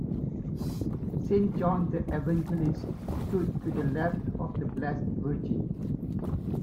Saint John the Evangelist stood to the left of the Blessed Virgin.